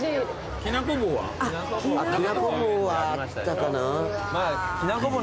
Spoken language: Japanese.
きなこ棒はあったかな。